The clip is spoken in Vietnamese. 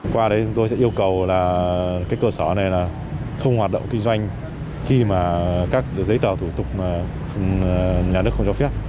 qua đấy tôi sẽ yêu cầu cơ sở này không hoạt động kinh doanh khi mà các giấy tờ thủ tục nhà nước không cho phép